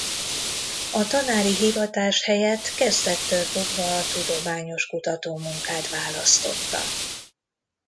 A tanári hivatás helyett kezdettől fogva a tudományos kutatómunkát választotta.